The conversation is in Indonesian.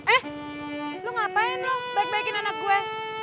eh lu ngapain lu baik baikin anak gue